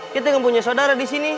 kita gak punya saudara disini